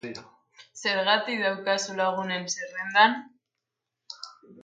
Zergatik daukazu lagunen zerrendan?